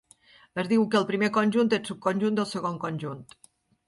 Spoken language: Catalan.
Es diu que el primer conjunt és subconjunt del segon conjunt.